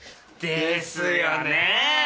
ですよねぇ。